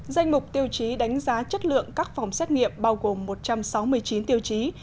danh mục tiêu chí đánh giá chất lượng các phòng xét nghiệm bao gồm một trăm sáu mươi chín tiêu chí